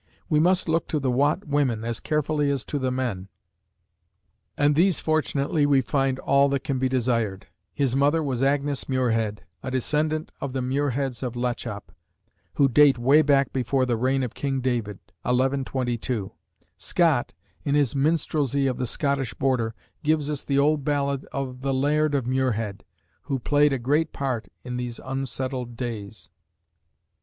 We must look to the Watt women as carefully as to the men; and these fortunately we find all that can be desired. His mother was Agnes Muirhead, a descendant of the Muirheads of Lachop, who date away back before the reign of King David, 1122. Scott, in his "Minstrelsy of the Scottish Border," gives us the old ballad of "The Laird of Muirhead," who played a great part in these unsettled days.